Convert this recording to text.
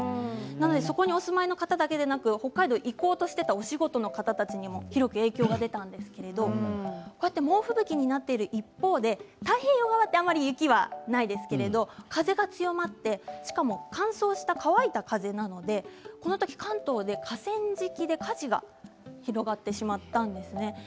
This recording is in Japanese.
なので、そこにお住まいの方だけでなく北海道に行こうとしていたお仕事の方などにも広く影響が出たんですがこうした猛吹雪になっている一方で、太平洋側はあまり雪がないですけれども風が強まってしかも乾燥した乾いた風なのでこの時埼玉で、河川敷で火事が広がってしまったんです。